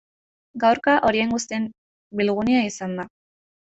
Gaurkoa horien guztien bilgunea izan da.